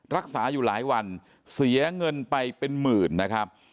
รักษาอยู่หลายวันเสียเงินไปเป็นหมื่นนะครับ